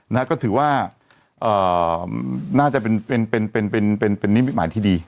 นะฮะก็ถือว่าเอ่อน่าจะเป็นเป็นเป็นเป็นเป็นเป็นนิ้มประมาณที่ดี